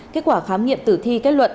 kết quả khám nghiệm tử thi kết luận